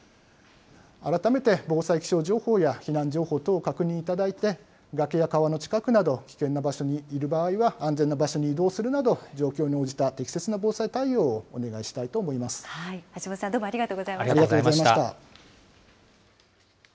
改めて防災気象情報や避難情報等を確認いただいて、崖や川の近くなど、危険な場所にいる場合は安全な場所に移動するなど、状況に応じた適切な防災対応をお願いし橋本さん、どうもありがとうありがとうございました。